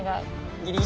ギリギリ。